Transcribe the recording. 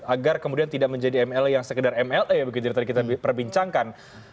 agar kemudian tidak menjadi mla yang sekedar mla begitu yang tadi kita perbincangkan